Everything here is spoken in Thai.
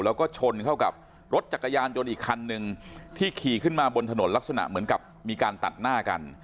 แล้วก็ชนเข้ากับรถจักรยานยนต์อีกคันนึงที่ขี่ขึ้นมาบนถนนลักษณะเหมือนกับมีการตัดหน้ากัน